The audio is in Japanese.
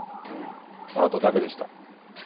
あなただけでした。